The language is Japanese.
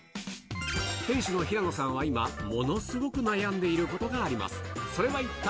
店主の平野さんは今、ものすごく悩んでいることがあります。